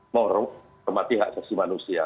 morok kemati hak saksi manusia